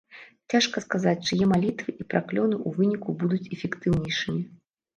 Цяжка сказаць, чые малітвы і праклёны ў выніку будуць эфектыўнейшымі.